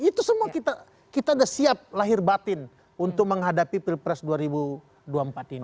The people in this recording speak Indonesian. itu semua kita sudah siap lahir batin untuk menghadapi pilpres dua ribu dua puluh empat ini